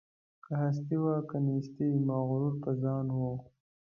که هستي وه که نیستي مغرور په ځان وو